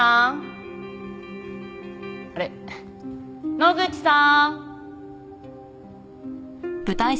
野口さん？